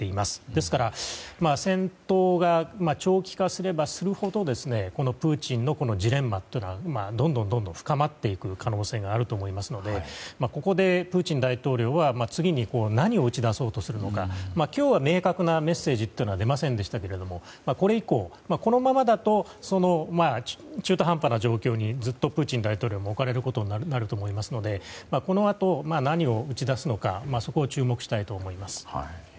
ですから、戦闘が長期化すればするほどプーチンのジレンマというのはどんどん深まっていく可能性があると思いますのでここでプーチン大統領は次に何を打ち出そうとするのか今日は明確なメッセージは出ませんでしたけどもこれ以降、このままだと中途半端な状況にずっとプーチン大統領も置かれることになると思いますのでこのあと何を打ち出すのかそこを注目したいと思います。